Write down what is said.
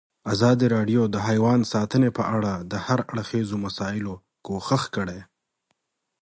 ازادي راډیو د حیوان ساتنه په اړه د هر اړخیزو مسایلو پوښښ کړی.